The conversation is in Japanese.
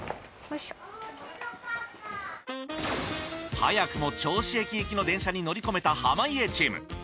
早くも銚子行きの電車に乗り込めた濱家チーム。